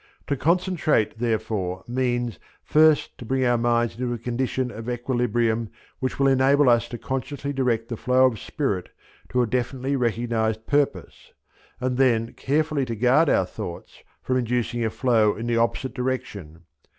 To concentrate therefore means first to bring our minds into a condition of equilibrium which will enable us to consciously direct the flow of spirit to a definitely recognized purpose, and then carefully to guard our thoughts from inducing a flow in the opposite direction.